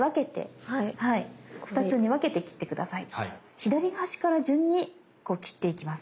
左端から順にこう切っていきます。